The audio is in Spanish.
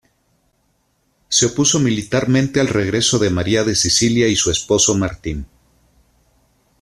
Se opuso militarmente al regreso de María de Sicilia y su esposo Martín.